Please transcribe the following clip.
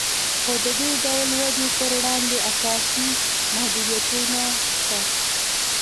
خو د دې ډول ودې پر وړاندې اساسي محدودیتونه شته